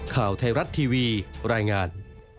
ข่าวไทยรัฐทีวีรายงาน